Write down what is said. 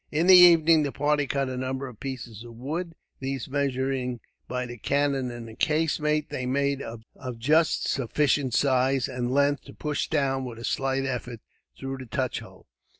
In the evening, the party cut a number of pieces of wood; these, measuring by the cannon in the casemate, they made of just sufficient size and length to push down, with a slight effort, through the touch hole.